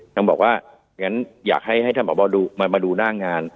ท่านบอกว่าอย่างงั้นอยากให้ให้ท่านพ่อบอดูมามาดูหน้างาน